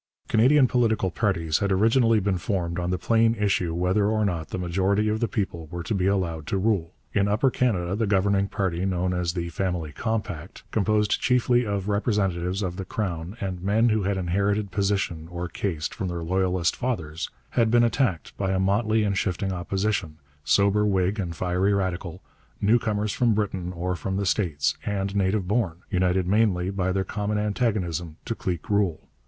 Canadian political parties had originally been formed on the plain issue whether or not the majority of the people were to be allowed to rule. In Upper Canada the governing party, known as the 'Family Compact,' composed chiefly of representatives of the Crown and men who had inherited position or caste from their Loyalist fathers, had been attacked by a motley and shifting opposition, sober Whig and fiery Radical, newcomers from Britain or from the States, and native born, united mainly by their common antagonism to clique rule.